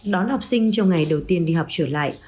đón học sinh trong ngày đầu tiên đi học trở lại